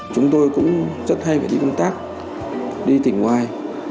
chúng tôi cũng rất hay phải đi công tác đi tìm ngoài